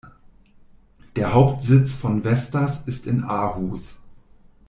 Der Hauptsitz von Vestas ist in Aarhus.